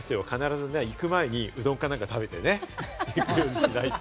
行く前にうどんとか食べていくようにしないと。